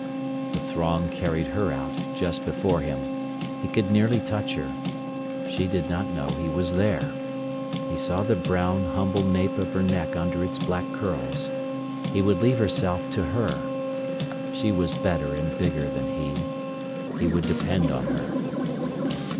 The throng carried her out just before him. He could nearly touch her. She did not know he was there. He saw the brown, humble nape of her neck under its black curls. He would leave himself to her. She was better and bigger than he. He would depend on her.